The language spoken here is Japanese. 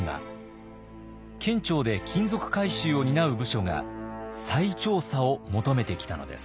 県庁で金属回収を担う部署が再調査を求めてきたのです。